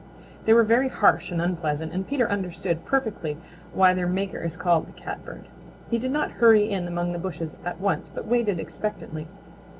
They were very harsh and unpleasant and Peter understood perfectly why their maker is called the Catbird. He did not hurry in among the bushes at once but waited expectantly.